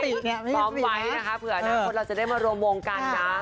ซ้อมไว้นะคะเผื่ออนาคตเราจะได้มารวมวงกันนะ